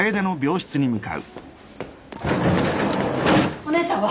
お姉ちゃんは！？